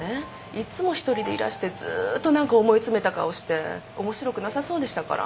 いっつも一人でいらしてずーっと何か思い詰めた顔して面白くなさそうでしたから。